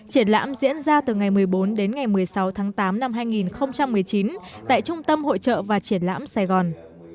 triển lãm diễn ra từ ngày một mươi bốn đến ngày một mươi sáu tháng tám năm hai nghìn một mươi chín tại trung tâm hội trợ và triển lãm sài gòn